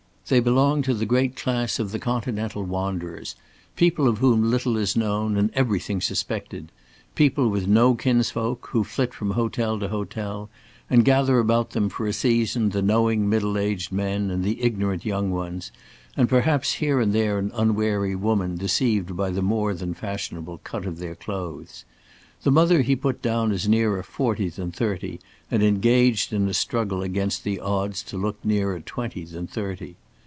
They belonged to the great class of the continental wanderers, people of whom little is known and everything suspected people with no kinsfolk, who flit from hotel to hotel and gather about them for a season the knowing middle aged men and the ignorant young ones, and perhaps here and there an unwary woman deceived by the more than fashionable cut of their clothes. The mother he put down as nearer forty than thirty, and engaged in a struggle against odds to look nearer twenty than thirty.